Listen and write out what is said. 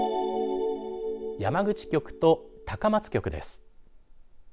山口局と高松局です。